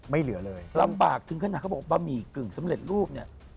ไม่เหลือเลยลำบากถึงขนาดเขาบอกบะหมี่กึ่งสำเร็จรูปเนี่ย